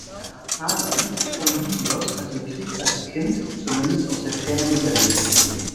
Der Achaier Polybios hat den Krieg als Kind zumindest aus der Ferne miterlebt.